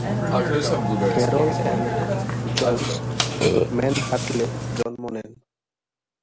Carroll Ann Jones ম্যানহাটনে জন্ম নেন।